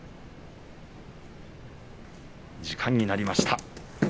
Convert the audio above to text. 時間になりました。